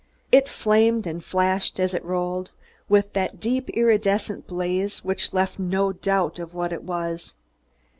It flamed and flashed as it rolled, with that deep iridescent blaze which left no doubt of what it was.